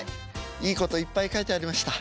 いいこといっぱい書いてありました。